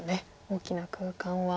大きな空間は。